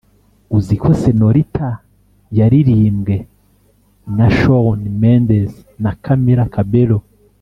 uziko senorita yaririmbwe na shawn mendes na camilla cabello